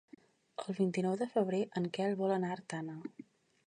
El vint-i-nou de febrer en Quel vol anar a Artana.